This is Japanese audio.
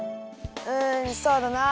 うんそうだな。